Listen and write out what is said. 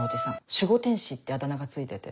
守護天使ってあだ名が付いてて。